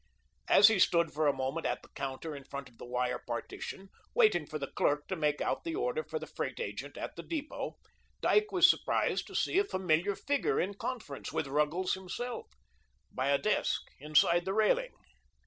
As he stood for a moment at the counter in front of the wire partition, waiting for the clerk to make out the order for the freight agent at the depot, Dyke was surprised to see a familiar figure in conference with Ruggles himself, by a desk inside the railing.